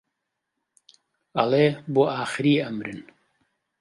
ئەڵێ بۆ ئاخری ئەمرن